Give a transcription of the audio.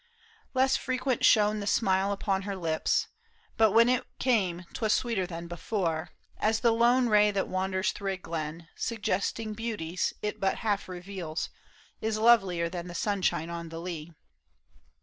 Less frequent shone the smile upon her lips ; But when it came 'twas sweeter than before, As the lone ray that wanders through a gfen, 44 PAUL ISHAAI. Suggesting beauties it but half reveals, Is lovelier than the sunshine on the lea.